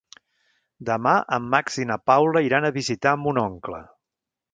Demà en Max i na Paula iran a visitar mon oncle.